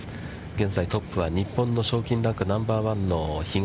現在トップは日本の賞金ランクナンバーワンの比嘉。